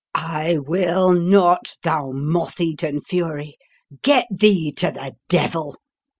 I will not, thou moth eaten fury! get thee to the devil!"